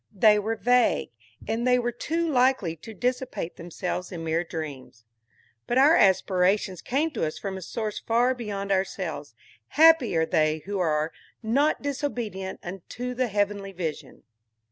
They were vague, and they were too likely to dissipate themselves in mere dreams. But our aspirations come to us from a source far beyond ourselves. Happy are they who are "not disobedient unto the heavenly vision"!